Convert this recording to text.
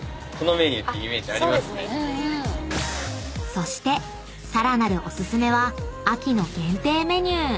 ［そしてさらなるお薦めは秋の限定メニュー］